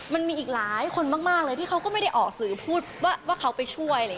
มันมีอีกหลายคนมากเลยที่เขาก็ไม่ได้ออกสือพูดว่าเขาไปช่วย